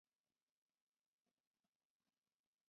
三十一年诏天下学官改授旁郡州县。